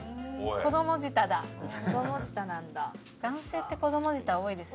子ども舌なんだ。